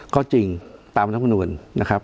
ก็จริงตามการชูบนุมแล้วนะครับ